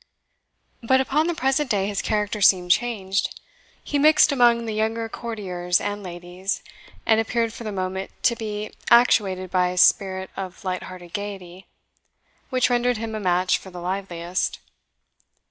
But upon the present day his character seemed changed. He mixed among the younger courtiers and ladies, and appeared for the moment to be actuated by a spirit of light hearted gaiety, which rendered him a match for the liveliest.